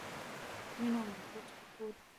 مینه او محبت خپور کړئ